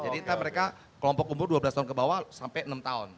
jadi kita mereka kelompok umur dua belas tahun ke bawah sampai enam tahun